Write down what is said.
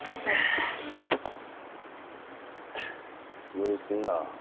無理すんな。